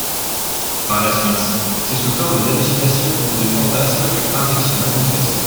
Par la suite, c'est sous forme d'hallucinations ou de fantasmes que Harry se manifeste.